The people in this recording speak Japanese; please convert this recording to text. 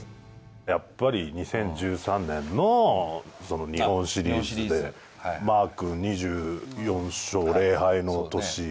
やっぱり、２０１３年の日本シリーズで、マー君２４勝０敗の年。